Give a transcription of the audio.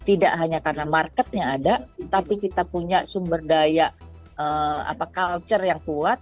tidak hanya karena marketnya ada tapi kita punya sumber daya culture yang kuat